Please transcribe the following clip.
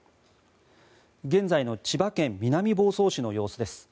現在の千葉県南房総市の様子です。